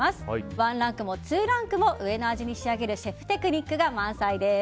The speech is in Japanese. ワンランクもツーランクも上の味に仕上げるシェフテクニックが満載です。